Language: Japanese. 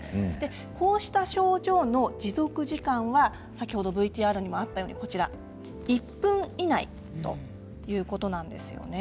こうした症状の持続時間はＶＴＲにもあったように１分以内ということなんですよね。